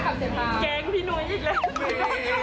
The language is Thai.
สวัสดีครับคุณผู้ชมครับ